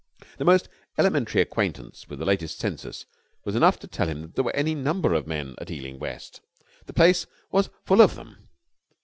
The most elementary acquaintance with the latest census was enough to tell him that there were any number of men at Ealing West. The place was full of them.